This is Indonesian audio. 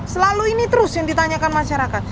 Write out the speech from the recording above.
selalu ini terus yang ditanyakan masyarakat